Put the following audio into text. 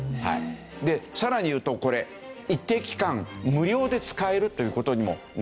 でさらにいうとこれ一定期間無料で使えるという事にもなる。